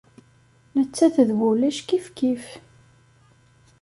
Nettat d wulac kifkif.